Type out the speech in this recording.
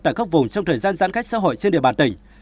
tại các vùng trong thời gian giãn cách xã hội trên địa bàn tỉnh